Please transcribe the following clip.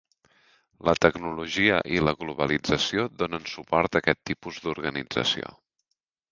La tecnologia i la globalització donen suport a aquest tipus d'organització.